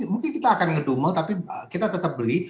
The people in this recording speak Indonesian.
mungkin kita akan ngedumel tapi kita tetap beli